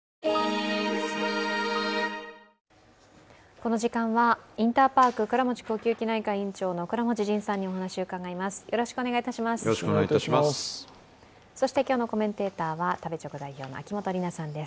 この時間はインターパーク倉持呼吸器内科院長の倉持仁さんにお話を伺います。